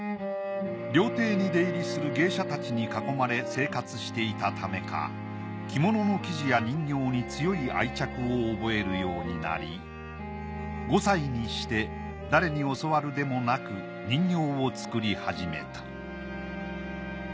料亭に出入りする芸者たちに囲まれ生活していたためか着物の生地や人形に強い愛着をおぼえるようになり５歳にして誰に教わるでもなく人形を作りはじめた。